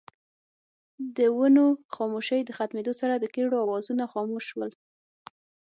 د ونو خاموشۍ د ختمېدو سره دکيرړو اوازونه خاموش شول